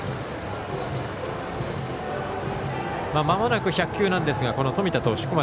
まもなく１００球なんですがこの冨田投手